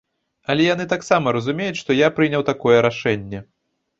Але яны таксама разумеюць, што я прыняў такое рашэнне.